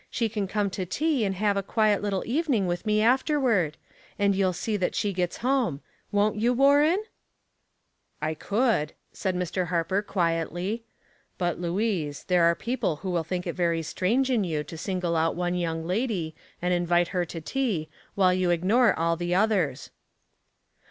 She can come to tea, and have a quiet little even ing with me afterward ; and you'll see that slie gets home. Won't you, Warren?" *' I could," said Mr. Harper, quietly. But, Louise, there are people who will think it very strange in you to single out one young lady, and invite her to tea, while you ignore all the others."